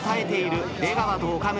出川と岡村